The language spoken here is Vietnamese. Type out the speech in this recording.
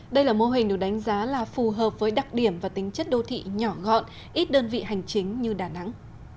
đây là mô hình được đánh giá là phù hợp với đặc điểm và tính chất đô thị nhỏ gọn ít đơn vị hành chính như đà nẵng